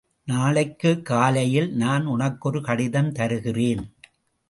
நாளைக் காலையில் நான் உனக்கொரு கடிதம் தருகிறேன்.